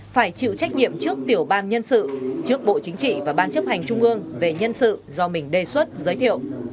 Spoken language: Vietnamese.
phải chịu trách nhiệm trước tiểu ban nhân sự trước bộ chính trị và ban chấp hành trung ương về nhân sự do mình đề xuất giới thiệu